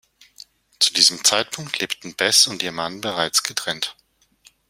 Zu diesem Zeitpunkt lebten Bess und ihr Mann bereits getrennt.